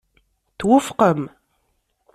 Twufqem.